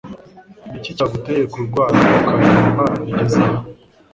Niki cyaguteye kurwara ukaremba bigeze aha.